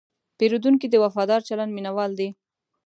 پیرودونکی د وفادار چلند مینهوال دی.